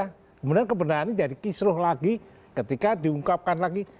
kemudian kebenaran ini jadi kisruh lagi ketika diungkapkan lagi